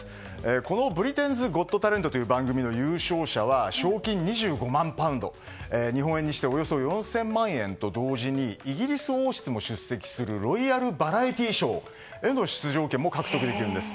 この「ブリテンズ・ゴット・タレント」という番組の優勝者は賞金２５万ポンド日本円にしておよそ４０００万円と同時にイギリス王室も出席するロイヤルバラエティーショーへの出場権も獲得できるんです。